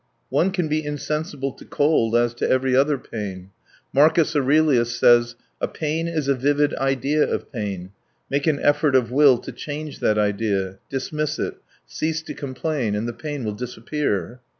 One can be insensible to cold as to every other pain. Marcus Aurelius says: 'A pain is a vivid idea of pain; make an effort of will to change that idea, dismiss it, cease to complain, and the pain will disappear.'